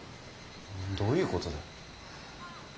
どういう事だよ。